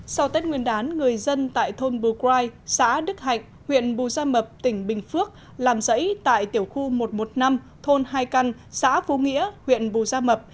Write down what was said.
sau tết nguyên đán người dân tại thôn bù quai xã đức hạnh huyện bù gia mập tỉnh bình phước làm dãy tại tiểu khu một trăm một mươi năm thôn hai căn xã phú nghĩa huyện bù gia mập